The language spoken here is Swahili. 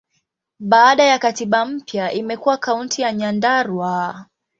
Baada ya katiba mpya, imekuwa Kaunti ya Nyandarua.